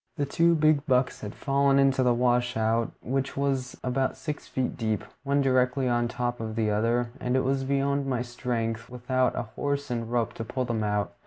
The two big bucks had fallen into the washout, which was about six feet deep, one directly on top of the other, and it was beyond my strength, without a horse and rope, to pull them out.